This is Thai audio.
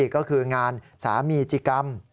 ก็คืองานสามีจิกรรม